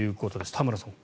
田村さん